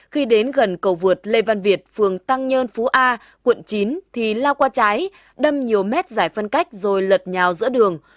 khi đến gần cầu vượt lê văn việt phường tăng nhân phú a quận chín thì lao qua trái đâm nhiều mét giải phân cách rồi lật nhào giữa đường